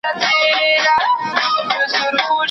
د غوايی سترګي که خلاصي وي نو څه دي